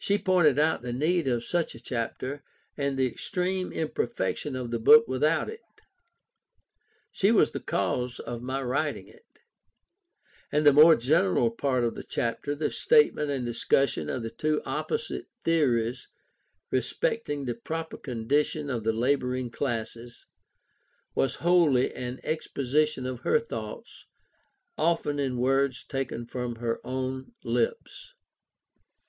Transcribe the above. She pointed out the need of such a chapter, and the extreme imperfection of the book without it; she was the cause of my writing it; and the more general part of the chapter, the statement and discussion of the two opposite theories respecting the proper condition of the labouring classes, was wholly an exposition of her thoughts, often in words taken from her own lips.